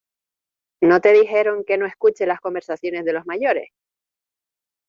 ¿ no te dijeron que no escuches las conversaciones de los mayores?